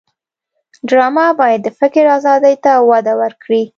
ډرامه باید د فکر آزادۍ ته وده ورکړي